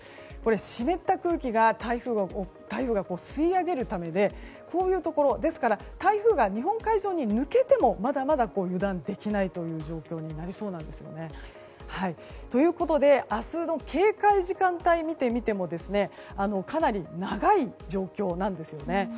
湿った空気を台風が吸い上げるためでですから、台風が日本海上に抜けてもまだまだ油断できない状況になりそうです。ということで明日の警戒時間帯を見てみてもかなり長い状況なんですよね。